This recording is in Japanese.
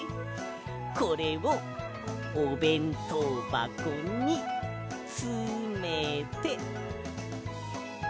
これをおべんとうばこにつめて。